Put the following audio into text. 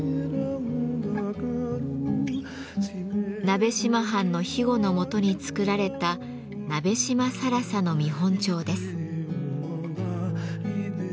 鍋島藩の庇護のもとに作られた「鍋島更紗」の見本帳です。